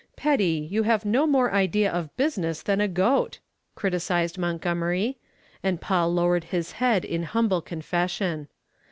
"Petty, you have no more idea of business than a goat," criticised Montgomery, and Paul lowered his head in humble confession.